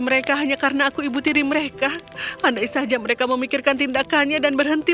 mereka hanya karena aku ibu tiri mereka andai saja mereka memikirkan tindakannya dan berhenti